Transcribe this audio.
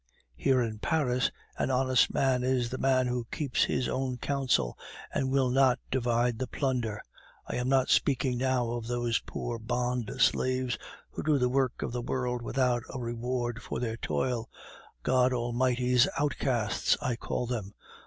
Here, in Paris, an honest man is the man who keeps his own counsel, and will not divide the plunder. I am not speaking now of those poor bond slaves who do the work of the world without a reward for their toil God Almighty's outcasts, I call them.